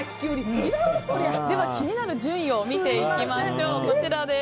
気になる順位を見ていきましょう。